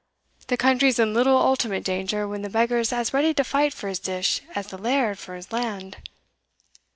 The country's in little ultimate danger, when the beggar's as ready to fight for his dish as the laird for his land."